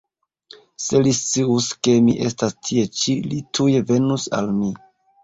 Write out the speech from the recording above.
Se li scius, ke mi estas tie ĉi, li tuj venus al mi.